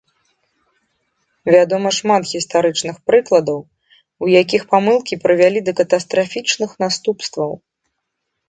Вядома шмат гістарычных прыкладаў, у якіх памылкі прывялі да катастрафічных наступстваў.